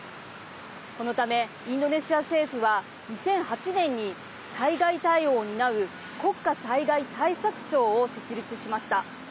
このためインドネシア政府は２００８年に災害対応を担う国家災害対策庁を設立しました。